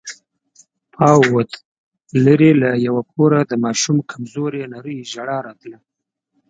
پاو ووت، ليرې له يوه کوره د ماشوم کمزورې نرۍ ژړا راتله.